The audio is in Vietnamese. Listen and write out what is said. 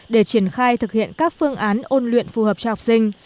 để triển khai thực hiện các phương án ôn luyện phù hợp cho học sinh